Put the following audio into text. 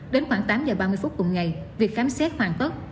đến khoảng tám giờ ba mươi phút cùng ngày việc khám xét hoàn tất